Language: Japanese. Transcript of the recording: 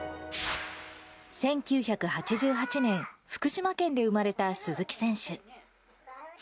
１９８８年、福島県で生まれた鈴木選手。